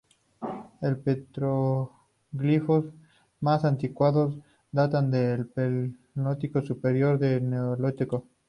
Los petroglifos más antiguos datan del Paleolítico Superior o del Neolítico.